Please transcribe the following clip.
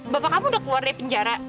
bapak kamu udah keluar dari penjara